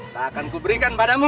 tak akan kuberikan padamu